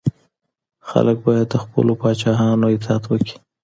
خلګ باید د خپلو پاچاهانو اطاعت وکړي.